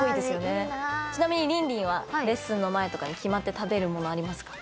ちなみにりんりんはレッスンの前とかに決まって食べるものありますか？